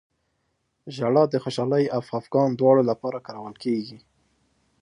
• ژړا د خوشحالۍ او خفګان دواړو لپاره کارول کېږي.